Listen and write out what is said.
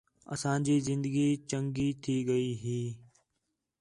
اسانجی زندگی چَنڳی تھی ڳئی ہئی